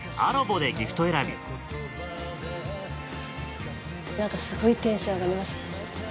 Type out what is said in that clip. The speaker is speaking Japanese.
ａｒｏｂでギフト選び何かすごいテンション上がります。